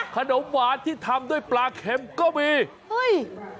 ขนมหวานที่ทำด้วยปลาเข็มก็มีเฮ้ย